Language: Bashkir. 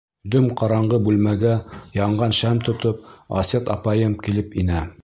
Дөм ҡараңғы бүлмәгә янған шәм тотоп Асет апайым килеп инә.